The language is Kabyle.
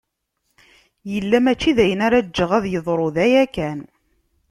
Yella mačči d ayen ara ǧǧeɣ ad yeḍru, d aya kan.